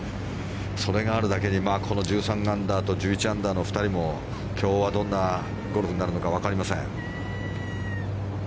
それがあるだけにこの１３アンダーと１１アンダーの２人も今日はどんなゴルフになるのか分かりません。